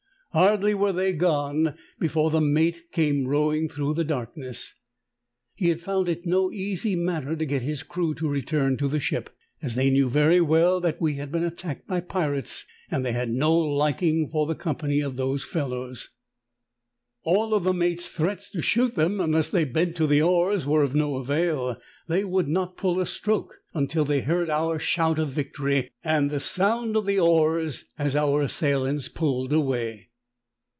Hardly were they gone before the mate came row ing through the darkness. He had found it no easy matter to get his crew to return to the ship, as they knew very well that we had been attacked by pirates, and they had no liking for the com pany of those fellows. All the mate's threats to shoot them unless they bent to the oars were of no avail ; they would not pull a stroke until they heard our shout of victory and the sound of the oars as our assailants pulled away.